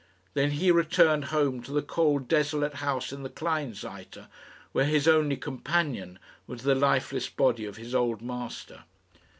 Then he returned home to the cold desolate house in the Kleinseite, where his only companion was the lifeless body of his old master.